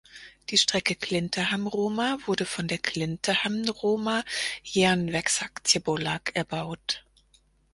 Die Strecke Klintehamn–Roma wurde von der Klintehamn-Roma Järnvägsaktiebolag erbaut.